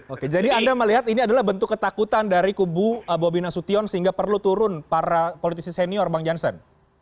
oke jadi anda melihat ini adalah bentuk ketakutan dari kubu bobi nasution sehingga perlu turun para politisi senior bang jansen